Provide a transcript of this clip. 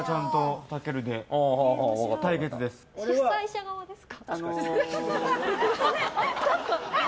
主催者側ですか。